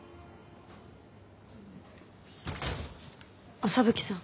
麻吹さん。